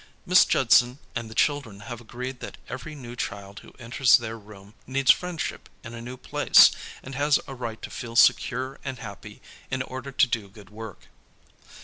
Miss Judson and the children have agreed that every new child who enters their room needs friendship in a new place, and has a right to feel secure and happy in order to do good work.